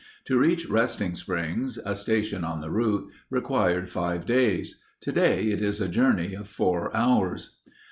To reach Resting Springs, a station on the route, required five days. Today it is a journey of four hours.